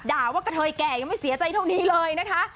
ด่าว่ากะเทยแก่ยังไม่เสียใจเท่านี้เลยนะคะ